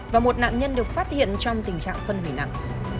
và một nạn nhân được phát hiện trong tình trạng phân hủy nặng